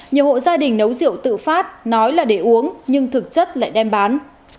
nhiều hộ gia đình nấu rượu tự phát nói là để uống nhưng thực chất lại đem bán